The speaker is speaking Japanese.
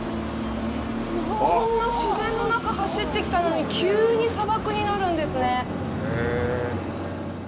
こんな自然の中走ってきたのに急に砂漠になるんですね。